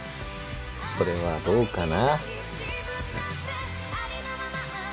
それはどうかな？